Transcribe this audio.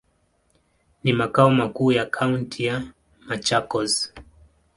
Ni makao makuu ya kaunti ya Machakos.